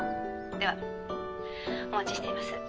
ではお待ちしています。